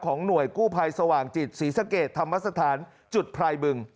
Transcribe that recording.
หน่วยกู้ภัยสว่างจิตศรีสะเกดธรรมสถานจุดไพรบึง